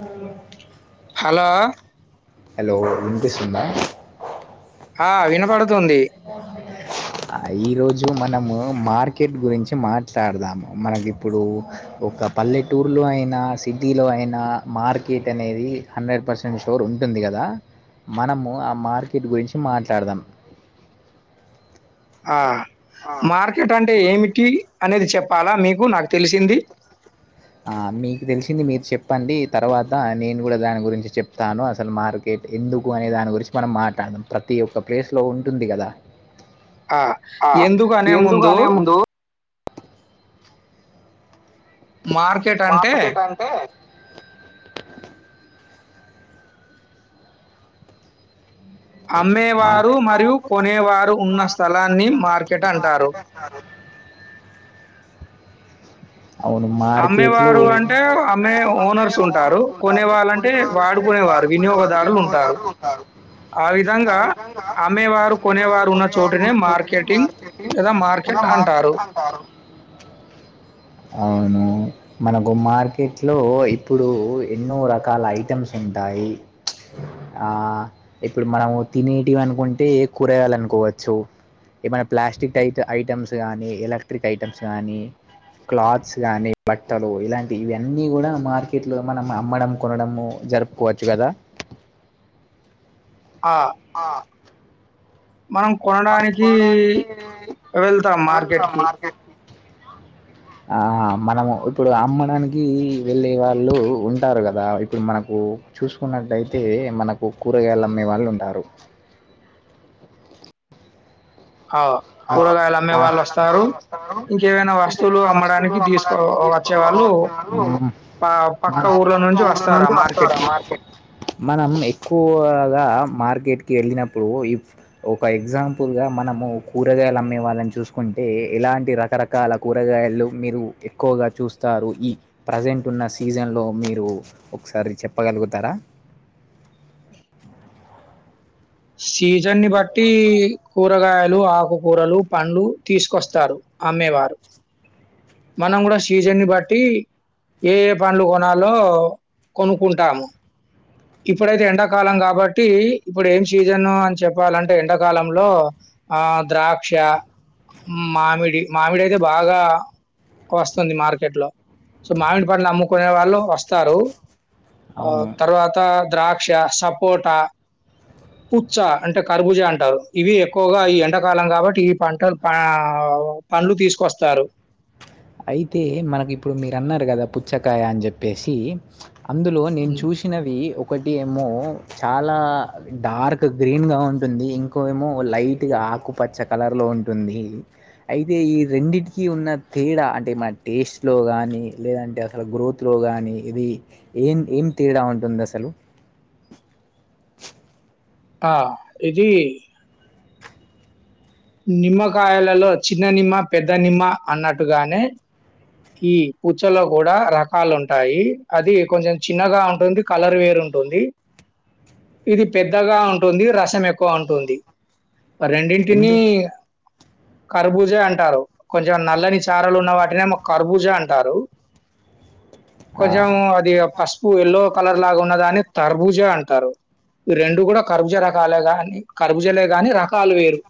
Hello hello hello వినిపిస్తుందా ఆ వినపాడు ఆ ఈ రోజు మనము మార్కెట్ గురించి మాట్లాడదాము మనకిప్పుడు ఒక పల్లెటూర్ లో అయినా సిటీ లో అయినా మార్కెట్ అనేది హండ్రెడ్ పర్సెంట్ షోర్ ఉంటుంది కదా మనము ఆ మార్కెట్ గురించి మాట్లాడుదాం ఆ మార్కెట్ అంటే ఏమిటి అనేది చెప్ప్ పాల మీకు నాకు తెలిసింది ఆ మీకు తెలిసింది మీరు చెప్పండి తర్వాత నేను కూడా దాని గురించి చెప్తాను అసలు మార్కె ఎందుకు అనే దాని గురించి మనం మాట్లాడుదాం ప్రతి ఒక్క ప్లేస్ లో ఉంటుంది కదా ఆ! ఆ ఎందుకు అనే ఎందుకు అనే ముందు మార్కెట్ అంటే మార్కెట్ అంటే అమ్మిన అమ్మేవారు మరియు వారు మరియు కొనేవారు కొనుకునే ఉన్న వారు ఉన్న స్థలాన్ని స్థలాన్ని అంటారు. మార్కెట్ అంటారు [inaudible] అమ్మేవారు అంటే అమ్మే ఓనర్స్ ఉంటారు కొనే వాళ్ళంటే వాడుకునే వారు వినియోగదారులు ఉంటారు ఆ విధ విధంగా అమ్మేవారు కొనేవారు ఉన్న చోటునే మార్కెటింగ్ లేదా మార్కెట్ అంటారు అంటారు అవును ఉ మనకు మార్కెట్ లో ఇప్పుడు ఎన్నో రకాల ఐటెమ్స్ ఉంటాయి ఆ ఇప్పుడు మనము తినేటివి అనుకుంటే కూరగాయలు అనుకోవచ్చు. ఏమైనా ప్లాస్టిక్ టై ఐటమ్స్ గానీ ఎలక్ట్రిక్ ఐటమ్స్ గానీ క్లాత్స్ గానీ బట్టలు ఇలాంటి ఇవన్నీ కూడా మార్కెట్ లో మనం అమ్మడం కొనడము జరుపుకోవచ్చు కదా ఆ మనం మనం కొనడానికి కొనడానికి వెళ్తాం వెళ్తాం మార్కెట్‌కి. మార్కెట్కి ఆహా మనము ఇప్పుడు అమ్మడానికి వెళ్ళే వాళ్ళు ఉంటారు కదా ఇప్పుడు మనకు చూసుకున్నట్లయితే తే మనకు కూరగాయలు అమ్మే వాళ్ళు ఉంటారు అవును, కూరగాయలు అమ్మే ఆ, వాళ్ళు వస్తారు ఇంకేవైనా వస్తువులు అమ్మడానికి తీసుకోవా వా వచ్చే పక్క వాళ్ళు ఊర్ల పక్క ఊరు వస్తారు ఆ నుంచి వస్తారు మార్కెట్‌కి. మార్కెట్ మనం ఎక్కువగా గా మార్కెట్కి వెళ్ళినప్పుడు ఒక ఎగ్జామ్ ఫుల్గా మనము కూరగాయలు అమ్మే వాళ్ళని చూసుకుంటే ఎలాంటి రకరకాల కూరగాయలు మీరు ఎక్కువగా చూస్తారు తరూ ఈ ప్రజెంట్ ఉన్న సీజన్ లో మీరు ఒకసారి చెప్పగలుగుతారా [unintelligible] సీజన్ని బట్టి కూరగాయ లు ఆకుకూరలు పండ్లు తీసుకొస్తారు, అమ్మేవారు మనం కూడా సీజన్ని బట్టి ఏ పండ్లు కొనాలో కొనుక్కుంటాము. ఇప్పుడైతే ఎండాకాలం కాబట్టి ఇప్పుడు ఏం సీజను అని చెప్పాలంటే ఎండాకాలంలో, ఆ ద్రాక్ష, మామిడి, మామిడి అయితే బాగా వస్తుంది మార్కెట్ లో సో మామిడి పండ్లు అమ్ముకునే వాళ్ళు వస్తారు. ఆ అవును తర్వాత ద్రాక్ష, సపోట పుచ్చ అంటే కర్బుజ అంటారు, ఇవి ఎక్కువగా ఈ ఎండాకాలం కాబట్టి ఈ పంటలు పా పండ్లు తీసుకొస్తారు. అయితే మనకి ఇప్పుడు మీరు అన్నారు. కదా పుచ్చకాయ అని చెప్పేసి, అందులో నేను ఉమ్. చూసినవి ఒక ఒకటి ఏమో చాలా డార్క్ గ్రీన్ గా ఉంటుంది. ఇంకో ఏమో లైట్ గా ఆకుపచ్చ కలర్ లో ఉంటుంది. అయితే ఈ రెండిటికి ఉన్న తేడా అంటే మ టేస్ట్లో కానీ లేదంటే అసలు గ్రోత్లో కానీ ఇది ఏం ఏం తేడా ఉంటుంది, అసలు ఆ ఇది నిమ్మకాయలలో చిన్న నిమ్మ పెద్ద నిమ్మ అన్నట్టుగానే, ఈ పుచ్చలో కూడా రకాలు ఉంటాయి. అది కొంచెం చిన్నగా ఉంటుంది కలర్ వేరు ఉంటుంది. [unintelligible] ఇది పెద్దగా ఉంటుంది, రసం ఎక్కువ ఉంటుంది. రెండింటిని ఎందు కర్బుజే అంటారు. కొంచెం నల్లని చారలు ఉన్న వాటినేమొ కర్బూజ అంటారు, ఆ, కొంచెం అది పసుపు ఎల్లో కలర్ లాగా ఉన్నదాని తర్బుజా అంటారు. రెండు కూడా కర్బుజ రకాలే గాని కర్బుజలే కా ని రకాలు వేరు,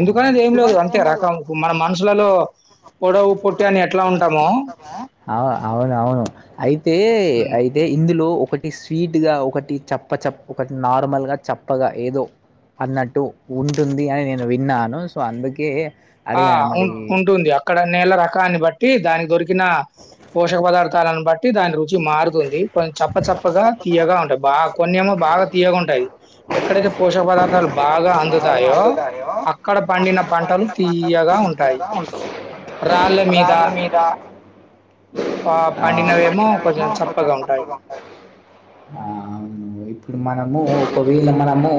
ఆ, ఏం లేదు అంతే రకం మన మనుషులలో పొడవు పొట్టి అని ఎట్లా, ఉంటామో అవు అవునవును అయితే హ్మ్. అయితే ఇందులో, ఒకటి స్వీట్గా ఒకటి చప్ప చప్ప ఒకటి నార్మల్గా చప్పగా ఏదో, అన్నట్టు ఉంటుంది అని నేను విన్నాను సో అందుకే ఆ అడిగాను ఉ మరి అవును. ఉంటుంది అక్కడ నేల రకాన్ని బట్టి దానికి దొరికి, ఇలా పోషక పదార్థాలను బట్టి దాని రూ చీ మారుతుంది కొంచెం చప్ప చప్పగా తీయగా ఉంటాయి. బాగా కొన్నేమో బాగా తియ్యగా ఉంటాయి ఎక్కడైతే పోషక పదార్థాలు బాగా అందుతాయో అక్కడ పండిన పంటలు తీయగా ఉంటాయి. తియ్యగా రాళ్ళ మీద రాళ్లమీద ఆ పండినవేమో కొద్దిగా చప్పగా ఉంటాయి. ఆ అవును ఇప్పుడు మనము ఒకవేల మనము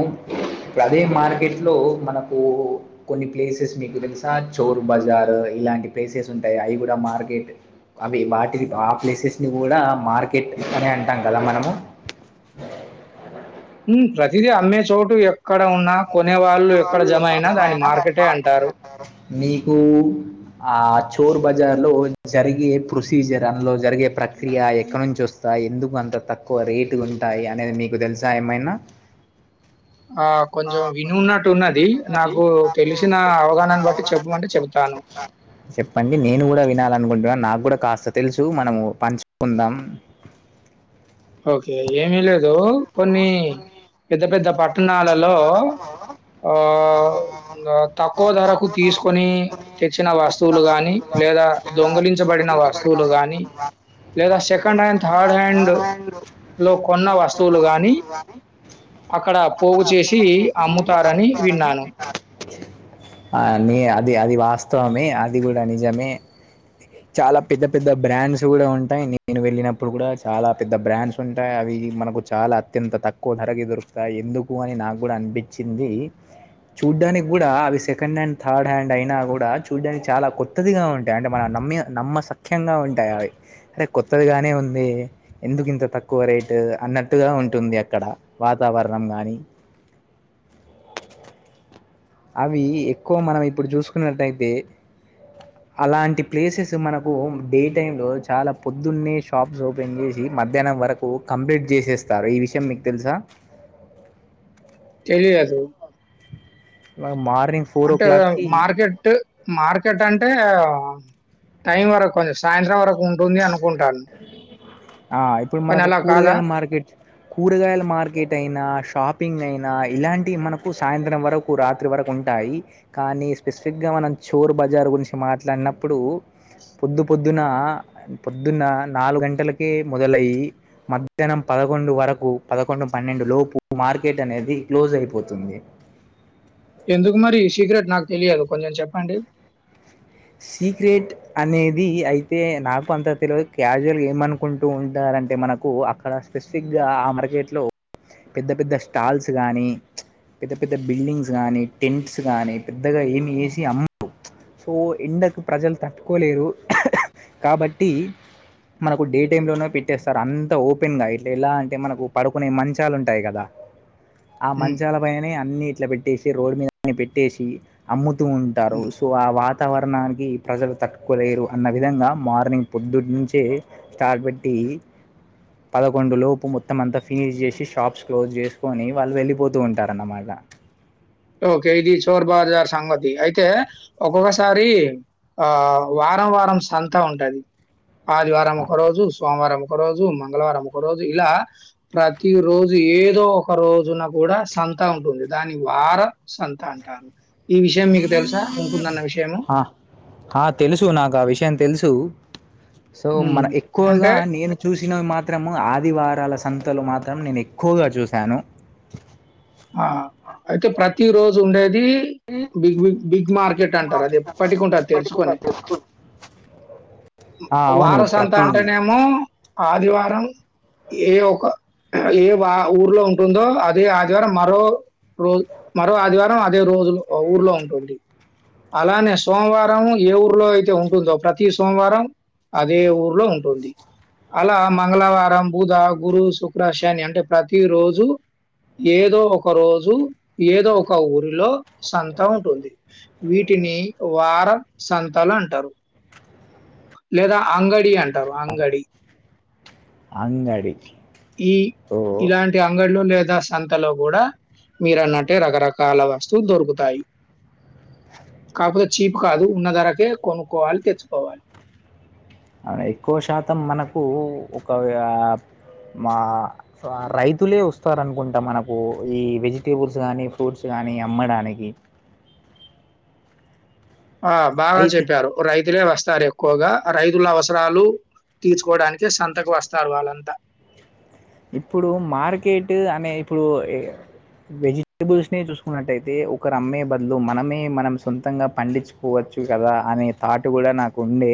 ఇప్పుడు అదే మ మార్కెట్లో మనకు కొన్ని ప్లేసెస్ మీకు తెలుసా చోరు బజార్ ఇలాంటి ప్లేసెస్ ఉ ఉంటాయి, అవి కూడా మార్కెట్ అవి వాటి ఆ ప్లేసెస్ ని కూడా మార్కెట్ అనే అంటాం కదా మనము, [unintelligible] ఈ ప్రతిదీ అమ్మే చోటు ఏ కొనేవాళ్ళు ఎక్కడ జమ అయినా దాన్ని మార్కెట్ అని అంటారు. మీకు ఆ ఆ చోర్ బజార్ లో జరిగే ప్రొసీజర్ అందులో జరిగే ప్రక్రియ ఎక్కడ నుంచి వస్తాయి. ఎందుకు అంత తక్కువ రేటు ఉంటాయి. అనేది మీకు తెలుసా ఏమైనా ఆ కొంచెం వినున్నట్టు ఉన్నది. నాకు తెలిసిన అవగాహనన్ని బట్టి చెప్పమంటే చెబుతాను, చెప్పండి నేను కూడా వినాలి అనుకుంటున్నా నాకు కూడా కాస్త తెలుసు మనము పంచుకుందాం ఓకే ఏమీ లేదు కొన్ని పెద్ద పెద్ద పట్టణాలలో [unintelligible] ఓ తక్కువ ధరకు తీసుకొని తెచ్చిన వస్తువులు గాని లేదా దొంగ దొంగలించబడిన వస్తువులు గానీ లేదా సెకండ్ హ్యాండ్ థర్డ్ హ్యాండ్ మీరు కొన్న వస్తువులు కానీ అక్కడ పోగు చేసి అమ్ముతారని విన్నాను. అని అది అది వా స్తవమే అది కూడా నిజమే చాలా పెద్ద పెద్ద బ్రాండ్స్ కూడా ఉంటాయి నేను వెళ్లినప్పుడు కూడా చాలా పెద్ద బ్రాండ్స్ ఉంటాయి అవి ఇవి మనకు చాలా అత్యంత తక్కువ ధరకి దొరుకుతాయి ఎందుకు అని నాకు కూడా అనిపించింది చూడ్డానికి కూడా అవి సెకండ్ హ్యాండ్ థర్డ్ హ్యాండ్ అయినా కూడా చూడ్డానికి చాలా కొత్తదిగా ఉంటాయి అంటే మన న మ్మె నమ్మ సఖ్యంగా ఉంటాయి అవి అరే కొత్తదిగానే ఉంది ఎందుకు ఇంత తక్కువ రేటు అన్నట్టుగా ఉంటుంది అక్కడ వాతావరణం గాని అవి ఎక్కువ మనం ఇప్పుడు చూసుకున్నట్టయితే అలాంటి ప్లేసెస్ మనకు డే టైమ్ లో చాలా పొద్దున్నే షాప్స్ ఓపెన్ చేసి మధ్యాహ్నం వరకు కంప్లీట్ చేసేస్తారు ఈ విషయం మీకు తెలుసా తెలియదు మనం మార్నిం అంటే మార్కెట్ మార్కెట్ అంటే టైం వరకు కొంచెం సాయంత్రం వరకు ఉంటుంది అనుకుంటాను ఆ ఇప్పుడు కానీ మనకు అలా కాదా? కూరగాయల మార్కెట్ కూరగాయల మార్కెట్ అయినా షాపింగ్ అయినా ఇలాంటివి మనకు సాయంత్రం వరకు రాత్రి వరకు ఉంటాయి కానీ స్పెసిఫిక్గా మనం చోరు బజార్ గురించి మాట్లాడినప్పుడు పొద్దు పొద్దున పొద్దున్న నాలుగు గంటలకే మొదలై మధ్యాహ్నం పదకొండు వరకు పదకొండు పన్నెండు లోపు మా మార్కెట్ అనేది క్లోజ్ అయిపోతుంది ఎందుకు మరి ఈ సీక్రెట్ నాకు తెలియదు కొంచెం చెప్పండి సీక్రెట్ అనేది అయితే నాకు అంత తెలివదు క్యాజువల్గా ఏమనుకుంటూ ఉంటా రు అంటే మనకు అక్కడ స్పెసిఫిక్గా ఆ మార్కెట్లో పెద్ద పెద్ద స్టాల్స్ గాని పెద్ద పెద్ద బిల్డింగ్స్ గానీ టెంట్స్ గాని పెద్దగా ఏమి ఏసి అమ్మరు సో ఎండకు ప్రజలు తట్టుకోలేరు కాబట్టి మనకు డే టైమ్ లోనే పెట్టేస్తారు అంత ఓపెన్ గా ఇట్ ఎలా అంటే మనకు పడుకునే మంచాలు ఉంటాయి కదా ఆ హ్మ్. మంచాల పైనే అన్నీ ఇట్లా పెట్టేసి రోడ్ మీద పెట్టేసి అమ్ము తూ ఉంటారు హ్మ్. సో ఆ వాతావరణానికి ప్రజలు తట్టుకోలేరు అన్న విధంగా మార్నింగ్ పొద్దున్నుంచే స్టార్ పె పేట్టి పదకొండు లోపు మొత్తం అంతా ఫినిష్ చేసి షాప్స్ క్లోజ్ చేసుకొని వాళ్లు వెళ్ళిపోతూ ఉంటారన్నమాట [inaudible] ఓకే ఇది చోర్ బాజార్ సంగతి అయితే ఒక్కొక్కసారి ఆ వారం వారం సంత ఉంటది ఆదివారం ఒక రోజు సోమవారం ఒక రోజు మంగళవారం ఒక రోజు ఇలా ప్రతి రోజు ఏదో ఒక రోజున కూడా సంత ఉంటుంది దాని వార సంత అంటారు ఈ విషయం మీకు తెలుసా? ఉంటుందన్న విషయము? ఆ అ తెలుసు నాకు ఆ విషయం తెలుసు సు సో మన హ్మ్. ఎక్కువ గా అంటే నేను చూసి సినవి మాత్రము ఆదివారాల సంతలు మాత్రం నేను ఎక్కువగా చూశాను అ అయితే ప్రతి రోజు ఉండే the big big big market అంటారు అది ఎప్పటికి ఉంటది తెరుచుకొని ఆ! అవును. వార సంత ప్రతి అంటేనేమో ఆదివారం ఏ ఒక ఏ వా ఊర్లో ఉంటుందో అదే ఆది వారం మరో రో మరో ఆదివారం అదే రోజు లో ఊర్లో ఉంటుంది అలానే సోమవారం ఏ ఊర్లో అయితే ఉంటుందో ప్రతి సోమవారం అదే ఊర్లో ఉంటుంది అలా మంగళవారం బుధ గురు శుక్ర శని అంటే ప్రతి రోజు ఏదో ఒక రోజు ఏదో ఒక ఊరిలో సంత ఉంటుంది వీటిని వార సంతాలు అంటారు లేదా అంగడి అంటారు అంగడి అంగడి. ఈ సో, ఇలాంటి అంగడిలో లేదా సంతలో కూడా మీరన్నట్టే రకరకాల వస్తువులు దొరుకుతాయి కాకపోతే చీప్ కాదు ఉన్న ధరకే కొనుక్కోవాలి తెచ్చుకోవాలి అవునా ఎక్కువ శాతం మనకు ఒక మా రైతులే వస్తార అనుకుంటా మనకు ఈ వెజిటేబుల్స్ గానీ ఫ్రూట్స్ గాని కానీ అమ్మడానికి ఆ బాగా అయితే చెడ్డిరు రైతులే వస్తారు ఎక్కువగా రైతుల అవసరాలు తీర్చుకోవడానినికి సంతకు వస్తారు వాళ్ళంతా ఇప్పుడు మార్కెట్ అనే ఇప్పుడు వెజిటేబుల్స్ ని చూసుకున్నట్టయితే ఒకరు అమ్మే బదులు మనమే మనం సొంతంగా పండించుకోవచ్చు కదా అనే తాటు కూడా నాకు ఉండే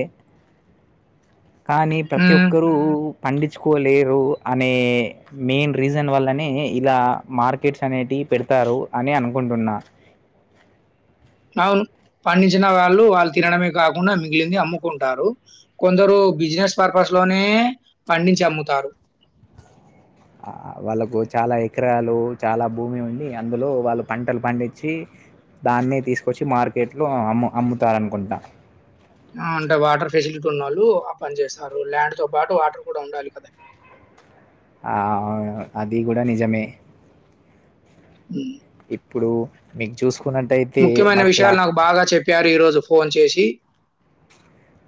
కానీ ప్రతి హ్మ్. ఒక్కరుూ పండించు కొలేరు అనే మెయిన్ రీజన్ వల్లనే ఇలా మార్కెట్స్ అనేటి పెడతారు అరు అని అనుకుంటున్నా పండించిన వాళ్ళు వాళ్ళు తినడమే కాకుండా మిగిలింది అమ్ముకుంటారు కొందరు బిజినె స్నేస్ పర్పస్ లోనే పండించి అమ్ముతారు ఆ వాళ్ళకు చాలా ఎకరాలు చాలా భూమి ఉండి అందులో వాళ్ళు పంటలు పండించి దాన్ని తీసుకొచ్చి మార్కెట్లో అమ్ అమ్ముతారునుకుంటాను అంటే వాటర్ ఫెసిలిటీ ఉన్నాళ్ళు ఆ పని చేస్తారు ల్యాండ్ తో పాటు వాటర్ కూడా ఉండాలి కదా ఆ అది కూడా నిజమే అ ఇప్పుడు మీకు చూసుకో ముఖ్యమైన విషయాలు నాకు బాగా చెప్పారు ఈరోజు ఫోన్ చేసి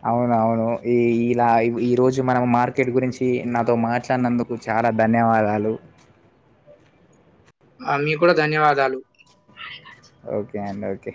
అవునవును ఈ ఇలా ఈ రోజు మనం మార్కెట్ గురించి నాతో మాట్లానందుకు చాల చాలా ధన్యవాదాలు ఆ మీ కూడా ధన్యవాదాలు ఓకే అ ఓకే